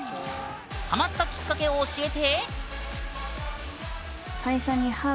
ハマったきっかけを教えて！